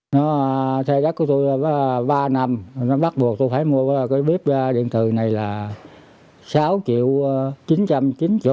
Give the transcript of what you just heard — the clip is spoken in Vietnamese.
nó thuê đất của tôi là ba năm nó bắt buộc tôi phải mua cái bếp điện từ này là sáu triệu chín trăm chín mươi